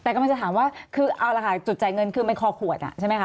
แต่กำลังจะถามว่าคือเอาละค่ะจุดจ่ายเงินคือมันคอขวดอ่ะใช่ไหมคะ